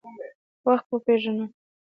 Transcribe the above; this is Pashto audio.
وخت وپیژنه.